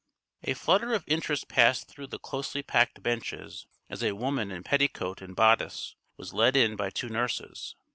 A flutter of interest passed through the closely packed benches as a woman in petticoat and bodice was led in by two nurses.